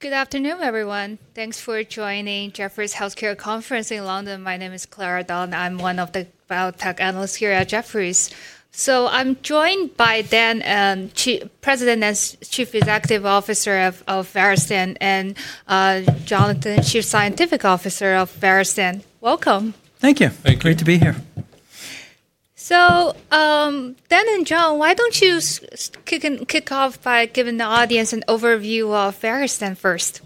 Good afternoon, everyone. Thanks for joining Jefferies Healthcare Conference in London. My name is Clara Don. I'm one of the biotech analysts here at Jefferies. I'm joined by Dan, President and Chief Executive Officer of Verastem, and Jonathan is Chief Scientific Officer of Verastem. Welcome. Thank you. Great to be here. Dan and John, why don't you kick off by giving the audience an overview of Verastem first?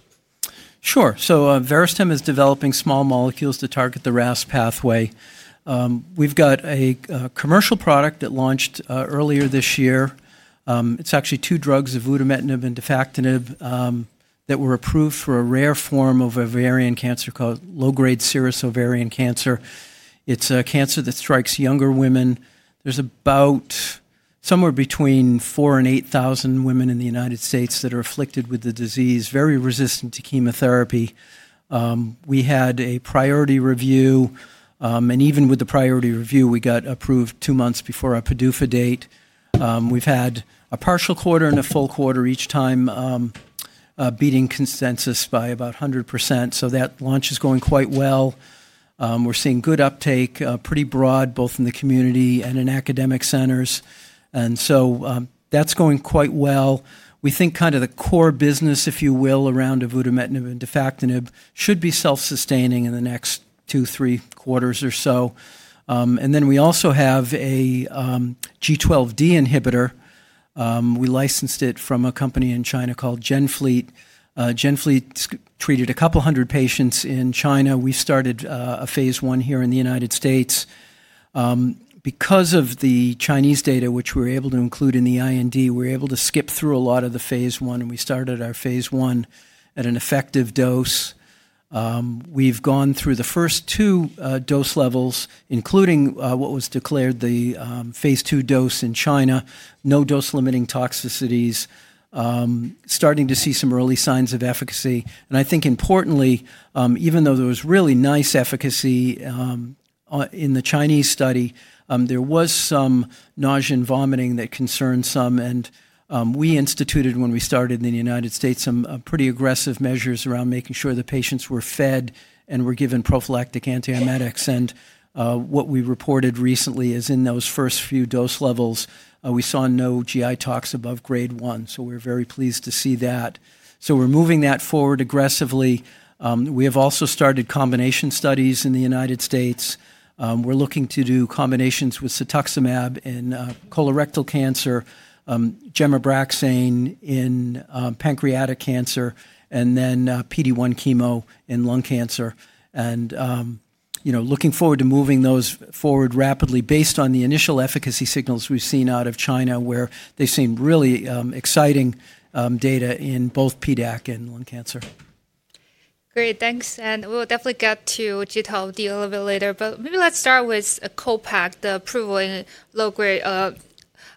Sure. Verastem is developing small molecules to target the RAS pathway. We've got a commercial product that launched earlier this year. It's actually two drugs, avutometinib and defactinib, that were approved for a rare form of ovarian cancer called low-grade serous ovarian cancer. It's a cancer that strikes younger women. There's about somewhere between 4,000 and 8,000 women in the United States that are afflicted with the disease, very resistant to chemotherapy. We had a priority review. Even with the priority review, we got approved two months before our PDUFA date. We've had a partial quarter and a full quarter each time, beating consensus by about 100%. That launch is going quite well. We're seeing good uptake, pretty broad, both in the community and in academic centers. That is going quite well. We think kind of the core business, if you will, around avutometinib and defactinib should be self-sustaining in the next two, three quarters or so. We also have a G12D inhibitor. We licensed it from a company in China called GenFleet. GenFleet treated a couple hundred patients in China. We started a phase 1 here in the United States. Because of the Chinese data, which we were able to include in the IND, we were able to skip through a lot of the phase 1. We started our phase 1 at an effective dose. We've gone through the first two dose levels, including what was declared the phase 2 dose in China, no dose-limiting toxicities, starting to see some early signs of efficacy. I think importantly, even though there was really nice efficacy in the Chinese study, there was some nausea and vomiting that concerned some. We instituted, when we started in the United States, some pretty aggressive measures around making sure the patients were fed and were given prophylactic antiemetics. What we reported recently is in those first few dose levels, we saw no GI tox above grade one. We are very pleased to see that. We are moving that forward aggressively. We have also started combination studies in the United States. We are looking to do combinations with cetuximab in colorectal cancer, Abraxane in pancreatic cancer, and then PD-1 chemo in lung cancer. We are looking forward to moving those forward rapidly based on the initial efficacy signals we have seen out of China, where they seem really exciting data in both PDAC and lung cancer. Great. Thanks. We'll definitely get to G12D a little bit later. Maybe let's start with CO-PACK, the approval in low-grade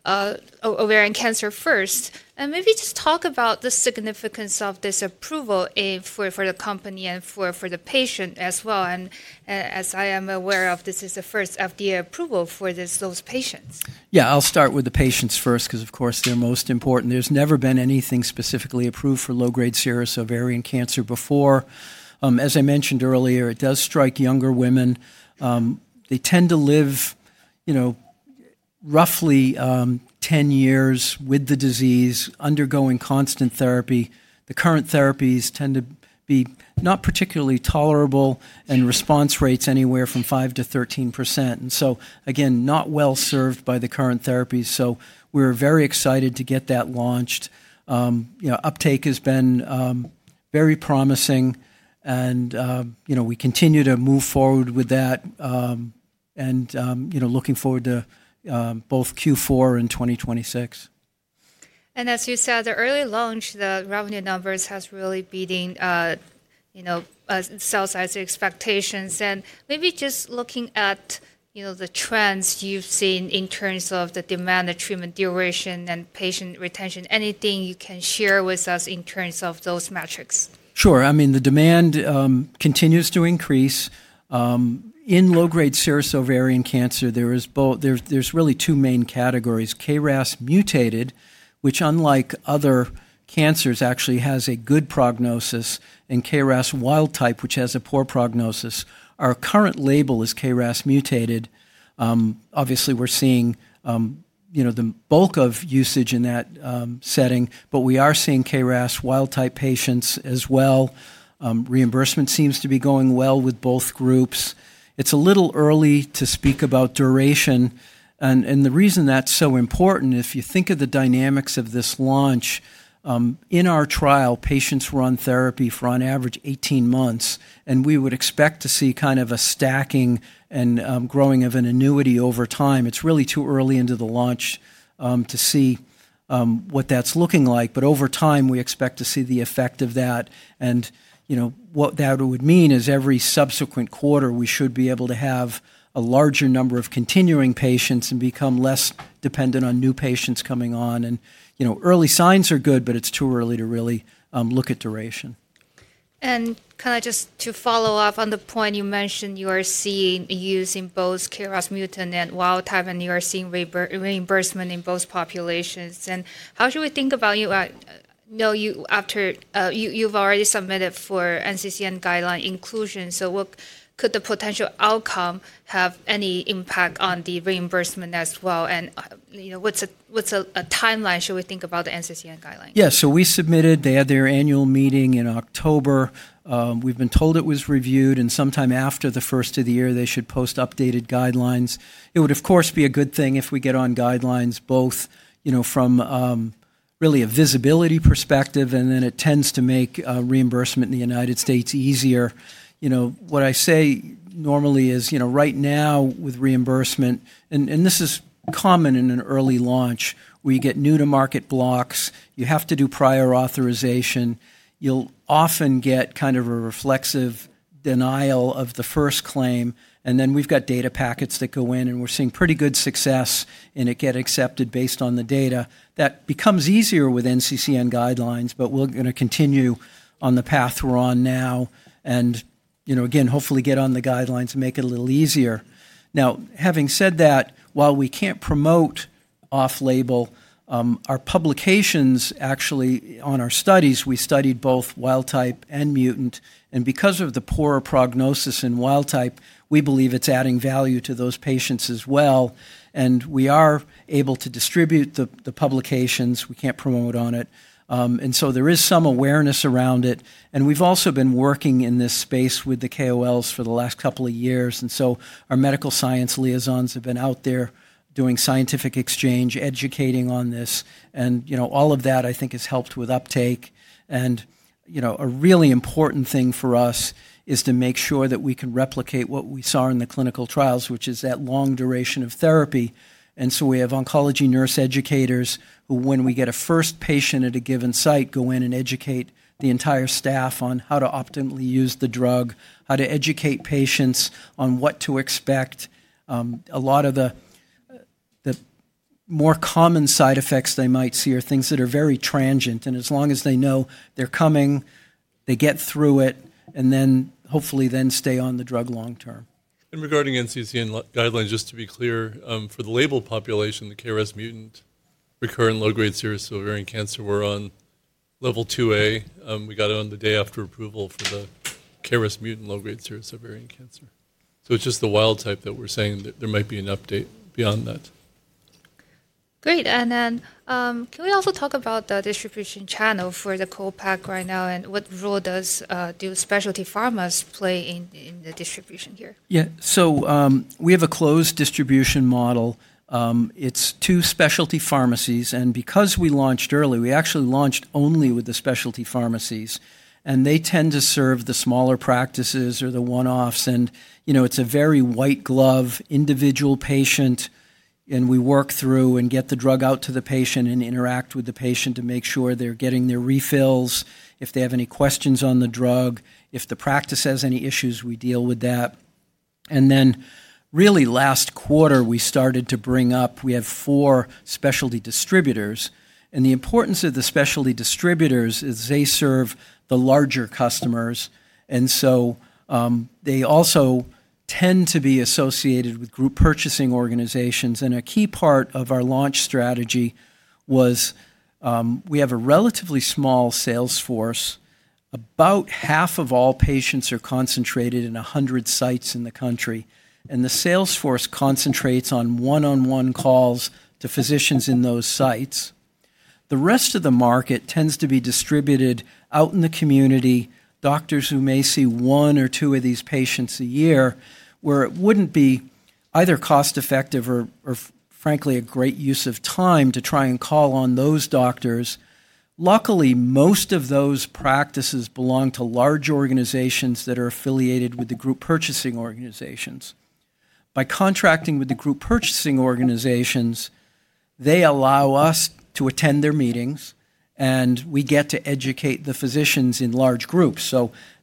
ovarian cancer first. Maybe just talk about the significance of this approval for the company and for the patient as well. As I am aware of, this is the first FDA approval for those patients. Yeah, I'll start with the patients first because, of course, they're most important. There's never been anything specifically approved for low-grade serous ovarian cancer before. As I mentioned earlier, it does strike younger women. They tend to live roughly 10 years with the disease, undergoing constant therapy. The current therapies tend to be not particularly tolerable, and response rates anywhere from 5% to 13%. Again, not well served by the current therapies. We're very excited to get that launched. Uptake has been very promising. We continue to move forward with that and looking forward to both Q4 and 2026. As you said, the early launch, the revenue numbers have really beaten sales expectations. Maybe just looking at the trends you've seen in terms of the demand, the treatment duration, and patient retention, anything you can share with us in terms of those metrics? Sure. I mean, the demand continues to increase. In low-grade serous ovarian cancer, there's really two main categories: KRAS-mutated, which unlike other cancers actually has a good prognosis, and KRAS-wild-type, which has a poor prognosis. Our current label is KRAS-mutated. Obviously, we're seeing the bulk of usage in that setting. We are seeing KRAS-wild-type patients as well. Reimbursement seems to be going well with both groups. It's a little early to speak about duration. The reason that's so important, if you think of the dynamics of this launch, in our trial, patients were on therapy for, on average, 18 months. We would expect to see kind of a stacking and growing of an annuity over time. It's really too early into the launch to see what that's looking like. Over time, we expect to see the effect of that. What that would mean is every subsequent quarter, we should be able to have a larger number of continuing patients and become less dependent on new patients coming on. Early signs are good, but it's too early to really look at duration. Kind of just to follow up on the point you mentioned, you are seeing use in both KRAS-mutant and wild-type, and you are seeing reimbursement in both populations. How should we think about, you know, you've already submitted for NCCN guideline inclusion. Could the potential outcome have any impact on the reimbursement as well? What's a timeline? Should we think about the NCCN Guideline? Yeah. We submitted. They had their annual meeting in October. We've been told it was reviewed. Sometime after the first of the year, they should post updated guidelines. It would, of course, be a good thing if we get on guidelines, both from really a visibility perspective, and then it tends to make reimbursement in the United States easier. What I say normally is right now with reimbursement, and this is common in an early launch, where you get new-to-market blocks, you have to do prior authorization. You'll often get kind of a reflexive denial of the first claim. Then we've got data packets that go in, and we're seeing pretty good success in it getting accepted based on the data. That becomes easier with NCCN guidelines. We're going to continue on the path we're on now and, again, hopefully get on the guidelines and make it a little easier. Now, having said that, while we can't promote off-label, our publications actually on our studies, we studied both wild-type and mutant. Because of the poorer prognosis in wild-type, we believe it's adding value to those patients as well. We are able to distribute the publications. We can't promote on it. There is some awareness around it. We've also been working in this space with the KOLs for the last couple of years. Our medical science liaisons have been out there doing scientific exchange, educating on this. All of that, I think, has helped with uptake. A really important thing for us is to make sure that we can replicate what we saw in the clinical trials, which is that long duration of therapy. We have oncology nurse educators who, when we get a first patient at a given site, go in and educate the entire staff on how to optimally use the drug, how to educate patients on what to expect. A lot of the more common side effects they might see are things that are very transient. As long as they know they're coming, they get through it, and then hopefully then stay on the drug long-term. Regarding NCCN guidelines, just to be clear, for the labeled population, the KRAS-mutant recurrent low-grade serous ovarian cancer, we're on level 2A. We got it on the day after approval for the KRAS-mutant low-grade serous ovarian cancer. It is just the wild-type that we're saying that there might be an update beyond that. Great. Can we also talk about the distribution channel for the CO-PACK right now? What role do specialty pharmacies play in the distribution here? Yeah. We have a closed distribution model. It is two specialty pharmacies. Because we launched early, we actually launched only with the specialty pharmacies. They tend to serve the smaller practices or the one-offs. It is a very white-glove individual patient. We work through and get the drug out to the patient and interact with the patient to make sure they are getting their refills, if they have any questions on the drug. If the practice has any issues, we deal with that. Really last quarter, we started to bring up we have four specialty distributors. The importance of the specialty distributors is they serve the larger customers. They also tend to be associated with group purchasing organizations. A key part of our launch strategy was we have a relatively small sales force. About half of all patients are concentrated in 100 sites in the country. The sales force concentrates on one-on-one calls to physicians in those sites. The rest of the market tends to be distributed out in the community, doctors who may see one or two of these patients a year, where it would not be either cost-effective or, frankly, a great use of time to try and call on those doctors. Luckily, most of those practices belong to large organizations that are affiliated with the group purchasing organizations. By contracting with the group purchasing organizations, they allow us to attend their meetings, and we get to educate the physicians in large groups.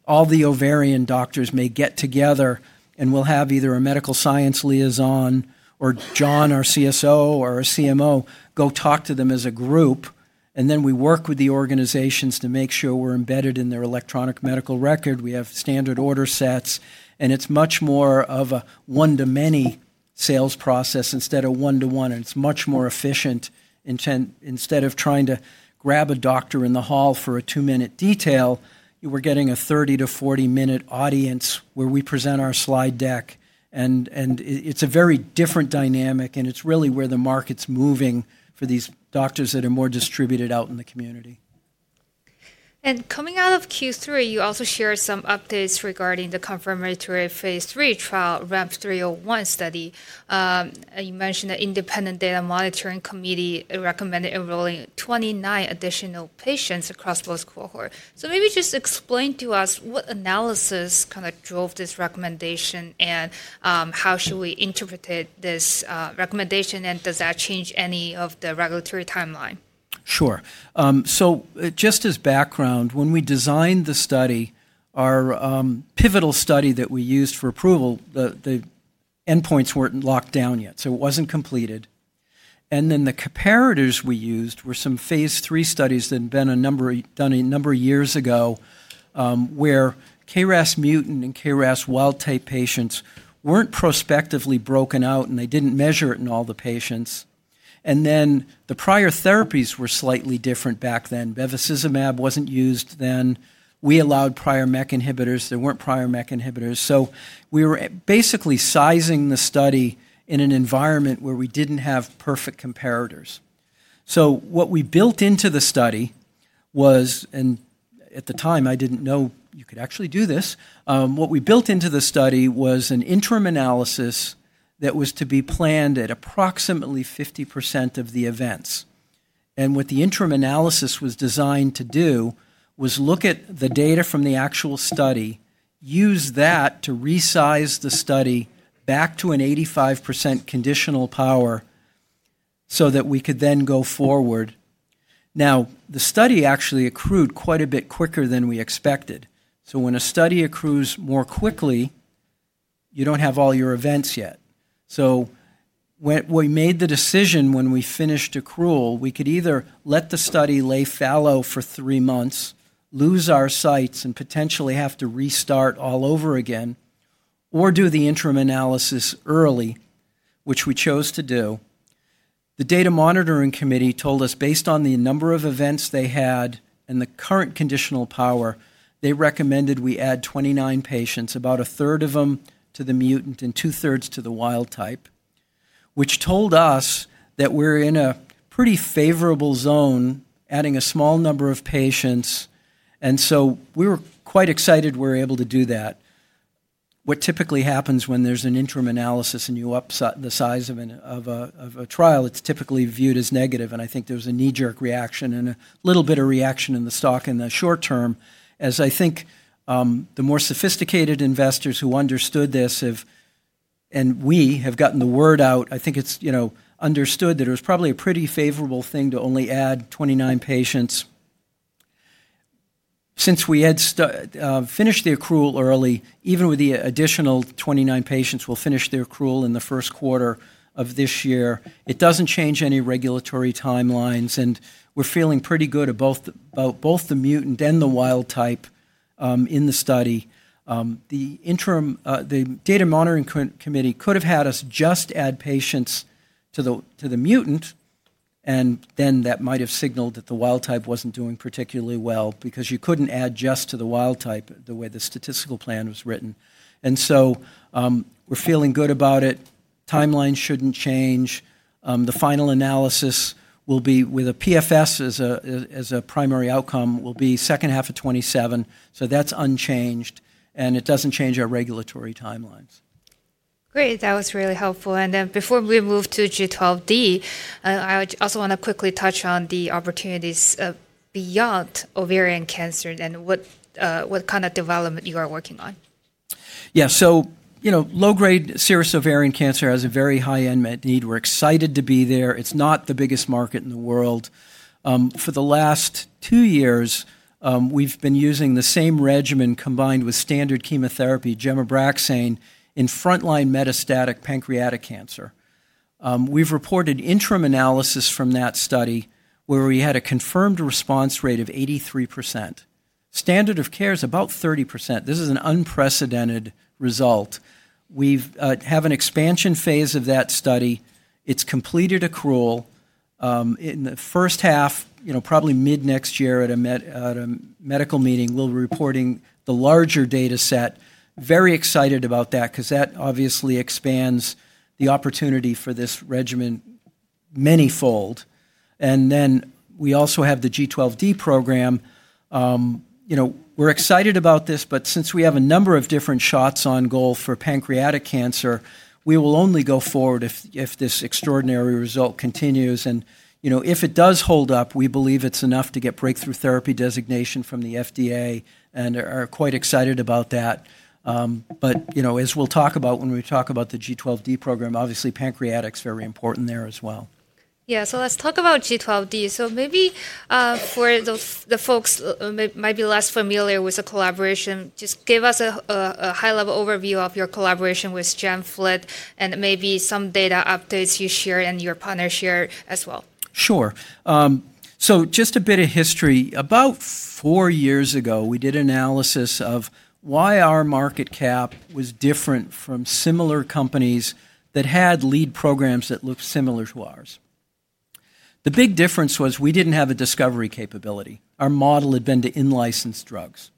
All the ovarian doctors may get together, and we will have either a medical science liaison or John, our CSO or our CMO, go talk to them as a group. We work with the organizations to make sure we're embedded in their electronic medical record. We have standard order sets. It's much more of a one-to-many sales process instead of one-to-one. It's much more efficient. Instead of trying to grab a doctor in the hall for a two-minute detail, we're getting a 30- to 40-minute audience where we present our slide deck. It's a very different dynamic. It's really where the market's moving for these doctors that are more distributed out in the community. Coming out of Q3, you also shared some updates regarding the confirmatory phase 3 trial, RAMP301 study. You mentioned the Independent Data Monitoring Committee recommended enrolling 29 additional patients across both cohorts. Maybe just explain to us what analysis kind of drove this recommendation and how should we interpret this recommendation? Does that change any of the regulatory timeline? Sure. Just as background, when we designed the study, our pivotal study that we used for approval, the endpoints were not locked down yet. It was not completed. The comparators we used were some phase 3 studies that had been done a number of years ago where KRAS-mutant and KRAS-wild-type patients were not prospectively broken out, and they did not measure it in all the patients. The prior therapies were slightly different back then. Bevacizumab was not used then. We allowed prior MEK inhibitors. There were not prior MEK inhibitors. We were basically sizing the study in an environment where we did not have perfect comparators. What we built into the study was, and at the time, I did not know you could actually do this. What we built into the study was an interim analysis that was to be planned at approximately 50% of the events. What the interim analysis was designed to do was look at the data from the actual study, use that to resize the study back to an 85% conditional power so that we could then go forward. The study actually accrued quite a bit quicker than we expected. When a study accrues more quickly, you do not have all your events yet. We made the decision when we finished accrual, we could either let the study lay fallow for three months, lose our sites, and potentially have to restart all over again, or do the interim analysis early, which we chose to do. The Data Monitoring Committee told us, based on the number of events they had and the current conditional power, they recommended we add 29 patients, about a third of them to the mutant and two-thirds to the wild-type, which told us that we're in a pretty favorable zone adding a small number of patients. We were quite excited we were able to do that. What typically happens when there's an interim analysis and you upset the size of a trial, it's typically viewed as negative. I think there was a knee-jerk reaction and a little bit of reaction in the stock in the short term, as I think the more sophisticated investors who understood this and we have gotten the word out, I think it's understood that it was probably a pretty favorable thing to only add 29 patients. Since we had finished the accrual early, even with the additional 29 patients, we'll finish the accrual in the first quarter of this year. It doesn't change any regulatory timelines. We're feeling pretty good about both the mutant and the wild-type in the study. The Data Monitoring Committee could have had us just add patients to the mutant. That might have signaled that the wild-type wasn't doing particularly well because you couldn't add just to the wild-type the way the statistical plan was written. We're feeling good about it. Timeline shouldn't change. The final analysis will be with a PFS as a primary outcome and will be second half of 2027. That's unchanged. It doesn't change our regulatory timelines. Great. That was really helpful. Before we move to G12D, I also want to quickly touch on the opportunities beyond ovarian cancer and what kind of development you are working on. Yeah. Low-grade serous ovarian cancer has a very high unmet need. We're excited to be there. It's not the biggest market in the world. For the last two years, we've been using the same regimen combined with standard chemotherapy, gem/Abraxine, in frontline metastatic pancreatic cancer. We've reported interim analysis from that study where we had a confirmed response rate of 83%. Standard of care is about 30%. This is an unprecedented result. We have an expansion phase of that study. It's completed accrual. In the first half, probably mid next year at a medical meeting, we'll be reporting the larger data set. Very excited about that because that obviously expands the opportunity for this regimen many-fold. We also have the G12D program. We're excited about this. Since we have a number of different shots on goal for pancreatic cancer, we will only go forward if this extraordinary result continues. If it does hold up, we believe it's enough to get Breakthrough Therapy Designation from the FDA. We're quite excited about that. As we'll talk about when we talk about the G12D program, obviously, pancreatic is very important there as well. Yeah. Let's talk about G12D. Maybe for the folks who might be less familiar with the collaboration, just give us a high-level overview of your collaboration with GenFleet and maybe some data updates you shared and your partners shared as well. Sure. So just a bit of history. About four years ago, we did analysis of why our market cap was different from similar companies that had lead programs that looked similar to ours. The big difference was we did not have a discovery capability. Our model had been to in-license drugs.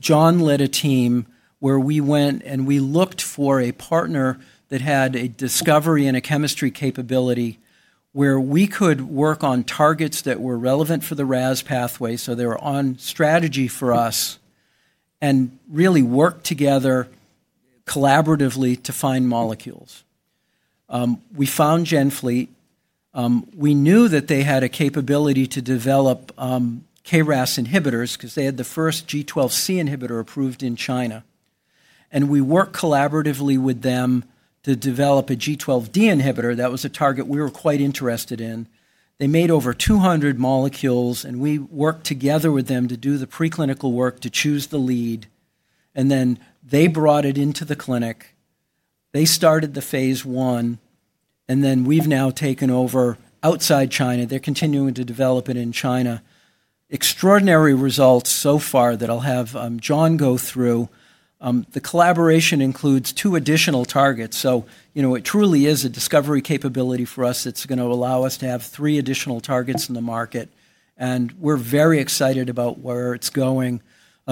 John led a team where we went and we looked for a partner that had a discovery and a chemistry capability where we could work on targets that were relevant for the RAS pathway. They were on strategy for us and really worked together collaboratively to find molecules. We found GenFleet. We knew that they had a capability to develop KRAS inhibitors because they had the first G12C inhibitor approved in China. We worked collaboratively with them to develop a G12D inhibitor. That was a target we were quite interested in. They made over 200 molecules. We worked together with them to do the preclinical work to choose the lead. They brought it into the clinic. They started the phase 1. We have now taken over outside China. They are continuing to develop it in China. Extraordinary results so far that I will have John go through. The collaboration includes two additional targets. It truly is a discovery capability for us that is going to allow us to have three additional targets in the market. We are very excited about where it is going.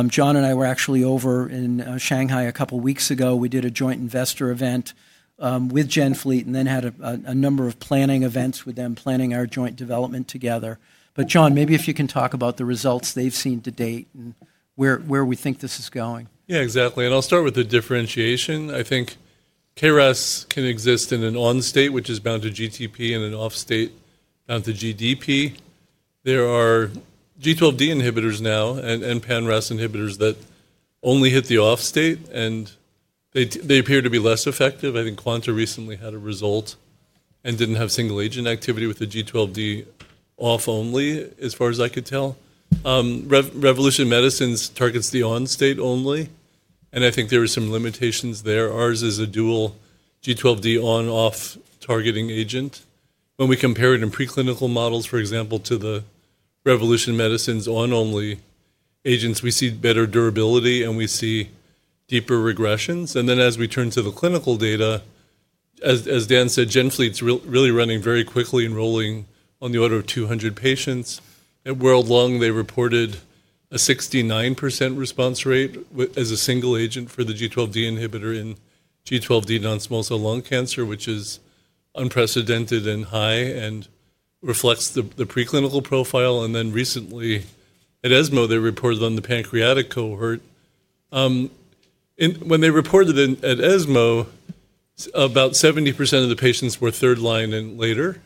John and I were actually over in Shanghai a couple of weeks ago. We did a joint investor event with GenFleet and then had a number of planning events with them planning our joint development together. John, maybe if you can talk about the results they've seen to date and where we think this is going. Yeah, exactly. I will start with the differentiation. I think KRAS can exist in an on-state, which is bound to GTP, and an off-state bound to GDP. There are G12D inhibitors now and pan-RAS inhibitors that only hit the off-state, and they appear to be less effective. I think Quanta recently had a result and did not have single-agent activity with the G12D off only, as far as I could tell. Revolution Medicines targets the on-state only. I think there are some limitations there. Ours is a dual G12D on-off targeting agent. When we compare it in preclinical models, for example, to the Revolution Medicines on-only agents, we see better durability, and we see deeper regressions. As we turn to the clinical data, as Dan said, GenFleet is really running very quickly and enrolling on the order of 200 patients. At World Lung, they reported a 69% response rate as a single-agent for the G12D inhibitor in G12D non-small-cell lung cancer, which is unprecedented and high and reflects the preclinical profile. Recently at ESMO, they reported on the pancreatic cohort. When they reported at ESMO, about 70% of the patients were third-line and later,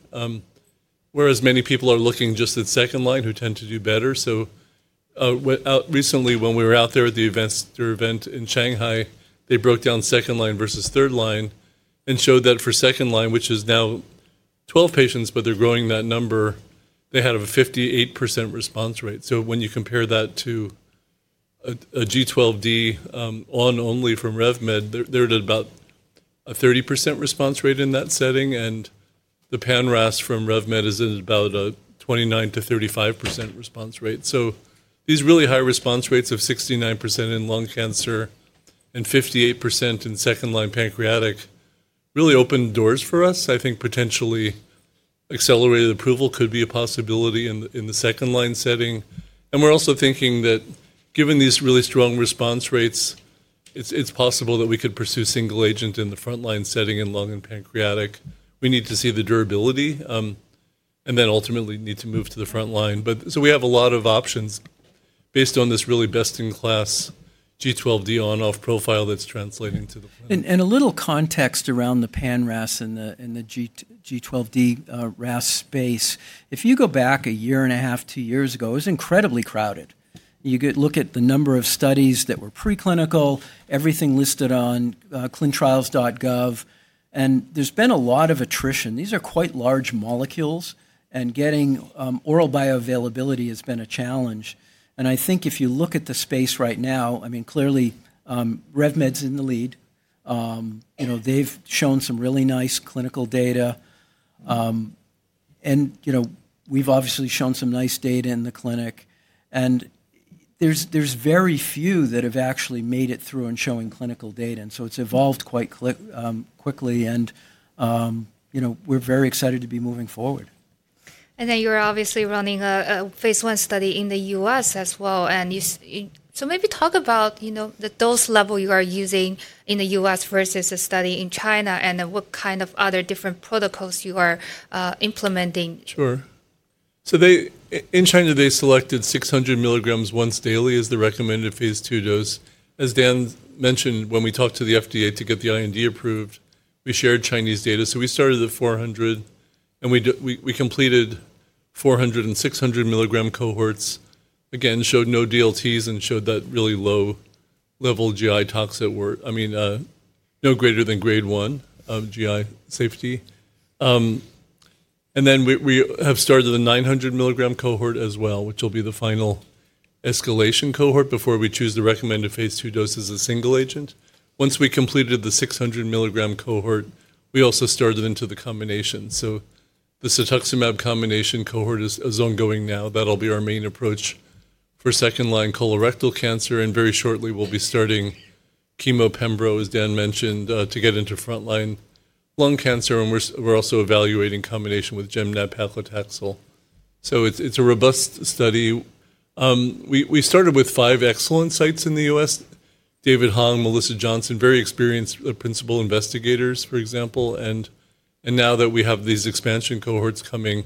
whereas many people are looking just at second-line who tend to do better. Recently, when we were out there at the event in Shanghai, they broke down second-line versus third-line and showed that for second-line, which is now 12 patients, but they are growing that number, they had a 58% response rate. When you compare that to a G12D on-only from Revolution Medicines, they are at about a 30% response rate in that setting. The pan-RAS from Revolution Medicines is at about a 29%-35% response rate. These really high response rates of 69% in lung cancer and 58% in second-line pancreatic really opened doors for us. I think potentially accelerated approval could be a possibility in the second-line setting. We're also thinking that given these really strong response rates, it's possible that we could pursue single-agent in the frontline setting in lung and pancreatic. We need to see the durability and then ultimately need to move to the frontline. We have a lot of options based on this really best-in-class G12D on-off profile that's translating to the frontline. A little context around the pan-RAS and the G12D RAS space. If you go back a year and a half, two years ago, it was incredibly crowded. You look at the number of studies that were preclinical, everything listed on clintrials.gov. There has been a lot of attrition. These are quite large molecules. Getting oral bioavailability has been a challenge. I think if you look at the space right now, I mean, clearly RevMed's in the lead. They've shown some really nice clinical data. We've obviously shown some nice data in the clinic. There are very few that have actually made it through and are showing clinical data. It has evolved quite quickly. We are very excited to be moving forward. You're obviously running a phase 1 study in the U.S. as well. Maybe talk about the dose level you are using in the U.S. versus a study in China and what kind of other different protocols you are implementing. Sure. In China, they selected 600 milligrams once daily as the recommended phase 2 dose. As Dan mentioned, when we talked to the FDA to get the IND approved, we shared Chinese data. We started at 400, and we completed 400 and 600 milligram cohorts. Again, showed no DLTs and showed that really low-level GI toxic work. I mean, no greater than grade one of GI safety. We have started the 900 milligram cohort as well, which will be the final escalation cohort before we choose the recommended phase 2 dose as a single-agent. Once we completed the 600 milligram cohort, we also started into the combination. The cetuximab combination cohort is ongoing now. That will be our main approach for second-line colorectal cancer. Very shortly, we will be starting chemo-pembro, as Dan mentioned, to get into frontline lung cancer. We're also evaluating combination with gem/nab-paclitaxel. It is a robust study. We started with five excellent sites in the U.S: David Hong, Melissa Johnson, very experienced principal investigators, for example. Now that we have these expansion cohorts coming,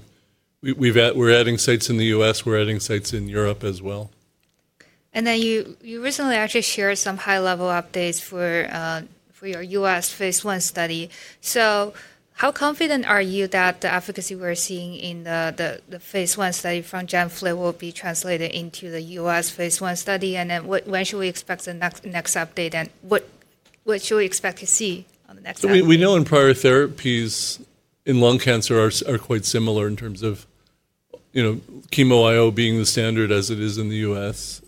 we're adding sites in the U.S. We're adding sites in Europe as well. You recently actually shared some high-level updates for your U.S. phase 1 study. How confident are you that the efficacy we're seeing in the phase 1 study from GenFleet will be translated into the U.S. phase 1 study? When should we expect the next update? What should we expect to see on the next update? We know in prior therapies in lung cancer are quite similar in terms of chemo-IO being the standard as it is in the U.S.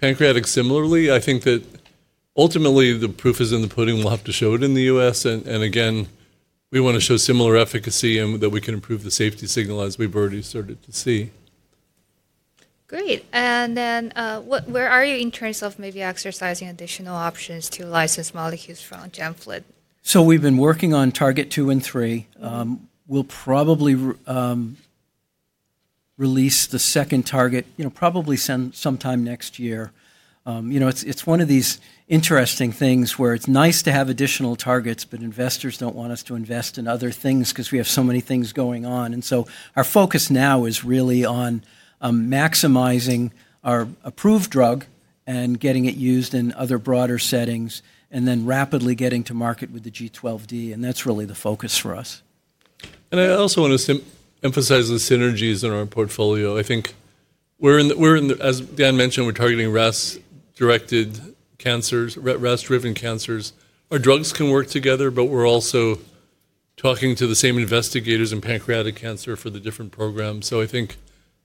Pancreatic, similarly. I think that ultimately the proof is in the pudding. We'll have to show it in the U.S. Again, we want to show similar efficacy and that we can improve the safety signal as we've already started to see. Great. Where are you in terms of maybe exercising additional options to license molecules from GenFleet? We have been working on target two and three. We'll probably release the second target probably sometime next year. It's one of these interesting things where it's nice to have additional targets, but investors don't want us to invest in other things because we have so many things going on. Our focus now is really on maximizing our approved drug and getting it used in other broader settings and then rapidly getting to market with the G12D. That's really the focus for us. I also want to emphasize the synergies in our portfolio. I think we're, as Dan mentioned, we're targeting RAS-directed cancers, RAS-driven cancers. Our drugs can work together, but we're also talking to the same investigators in pancreatic cancer for the different programs. I think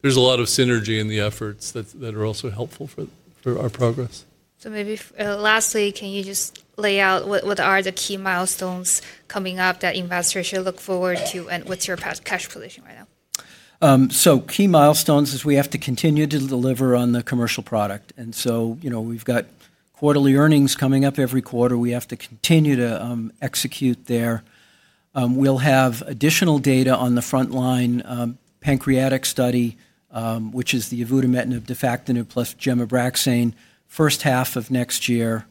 there's a lot of synergy in the efforts that are also helpful for our progress. Maybe lastly, can you just lay out what are the key milestones coming up that investors should look forward to? What's your catchphrase right now? Key milestones is we have to continue to deliver on the commercial product. We have quarterly earnings coming up every quarter. We have to continue to execute there. We will have additional data on the frontline pancreatic study, which is the avutometinib-defactinib plus Abraxane, first half of next year.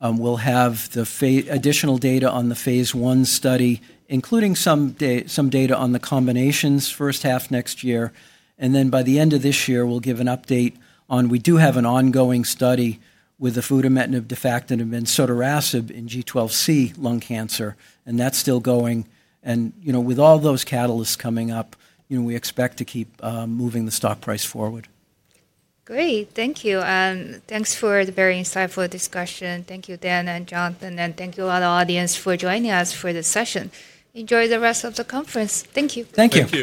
We will have additional data on the phase 1 study, including some data on the combinations first half next year. By the end of this year, we will give an update on we do have an ongoing study with avutometinib-defactinib and Sotorasib in G12C lung cancer. That is still going. With all those catalysts coming up, we expect to keep moving the stock price forward. Great. Thank you. Thank you for the very insightful discussion. Thank you, Dan and John. Thank you to our audience for joining us for this session. Enjoy the rest of the conference. Thank you. Thank you.